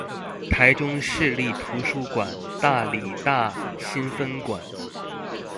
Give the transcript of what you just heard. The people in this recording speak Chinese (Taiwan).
臺中市立圖書館大里大新分館